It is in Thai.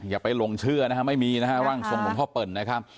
อย่าไปลงเชื่อนะคะไม่มีว่าภาษาชนหลวงพ่อเปิ่ล